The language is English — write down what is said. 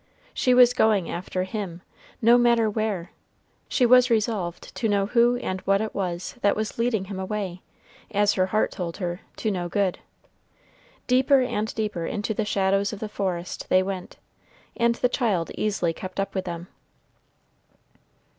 She was going after him no matter where; she was resolved to know who and what it was that was leading him away, as her heart told her, to no good. Deeper and deeper into the shadows of the forest they went, and the child easily kept up with them.